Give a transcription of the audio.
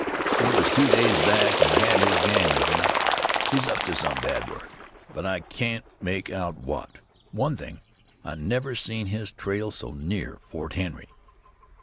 "He was two days back, an' had his gang with him. He's up to some bad work, but I can't make out what. One thing, I never seen his trail so near Fort Henry."